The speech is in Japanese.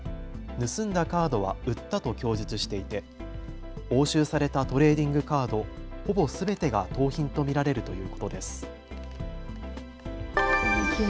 盗んだカードは売ったと供述していて押収されたトレーディングカード、ほぼすべてが盗品と見られるということです。